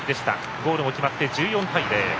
ゴールも決まって１４対０。